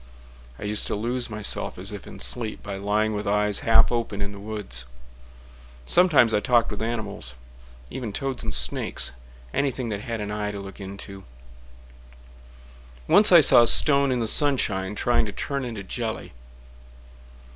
I used to lose myself, as if in sleep, By lying with eyes half open in the woods. Sometimes I talked with animals—even toads and snakes— Anything that had an eye to look into. Once I saw a stone in the sunshine Trying to turn into jelly.